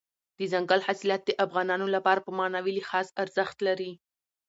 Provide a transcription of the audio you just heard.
دځنګل حاصلات د افغانانو لپاره په معنوي لحاظ ارزښت لري.